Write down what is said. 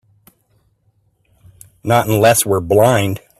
Not unless we're blind.